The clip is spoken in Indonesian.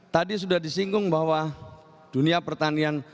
tadi sudah disinggung bahwa dunia pertanian